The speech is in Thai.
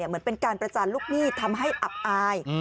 เหมือนเป็นการประจานลูกหนี้ทำให้อับอาย